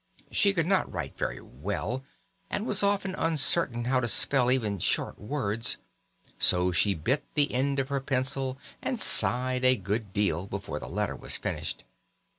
She could not write very well, and was often uncertain how to spell even short words; so she bit the end of her pencil and sighed a good deal before the letter was finished.